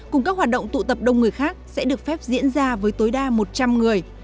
cùng các hoạt động tụ tập đông người khác sẽ được phép diễn ra với tối đa một trăm linh người